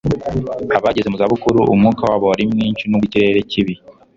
abageze mu zabukuru umwuka wabo wari mwinshi nubwo ikirere kibi